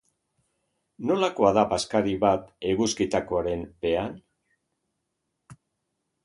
Nolakoa da bazkari bat eguzkitakoaren pean?